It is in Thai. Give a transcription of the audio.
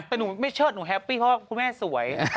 แต่หนูไม่เชรฟั้งหนูแฮปปี้เพราะคุณแม่สวย